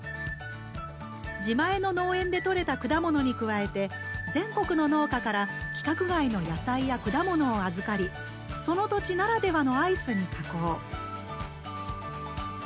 自前の農園でとれた果物に加えて全国の農家から規格外の野菜や果物を預かりその土地ならではのアイスに加工。